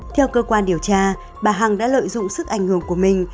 theo cơ quan điều tra bà hằng đã lợi dụng sức ảnh hưởng của mình